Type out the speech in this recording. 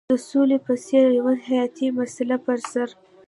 د سولې په څېر یوه حیاتي مسله پر سر.